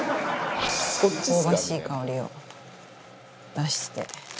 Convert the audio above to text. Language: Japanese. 香ばしい香りを出して強火で。